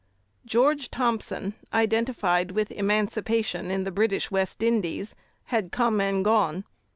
George Thompson, identified with emancipation in the British West Indies, had come and gone.